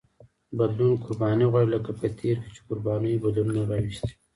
بدلون قرباني غواړي لکه په تېر کې چې قربانیو بدلونونه راوستي.